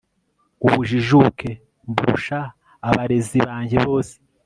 ubujijuke mburusha abarezi banjye bose